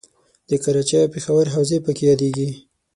د کراچۍ او پېښور حوزې پکې یادیږي.